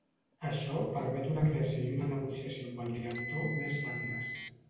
Això permet una creació i una negociació amb el director més ràpides.